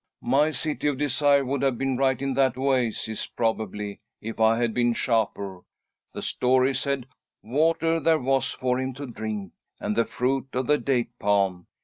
"My City of Desire would have been right in that oasis, probably, if I had been Shapur. The story said, 'Water there was for him to drink, and the fruit of the date palm.'